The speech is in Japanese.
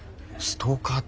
ストーカー！？